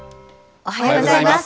おはようございます。